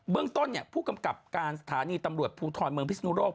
เรื่องต้นผู้กำกับการสถานีตำรวจภูทรเมืองพิศนุโลก